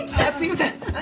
ああすいません！